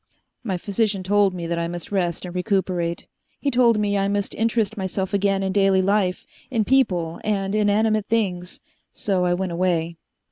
"My physician told me that I must rest and recuperate. He told me I must interest myself again in daily life, in people and inanimate things. So I went away.